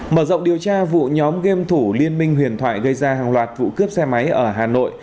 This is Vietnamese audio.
mở rộng điều tra vụ nhóm game thủ liên minh huyền thoại gây ra hàng loạt vụ cướp xe máy ở hà nội